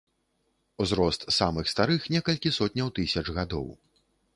Узрост самых старых некалькі сотняў тысяч гадоў.